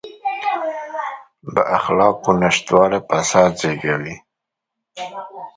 د اخلاقو نشتوالی فساد زېږوي.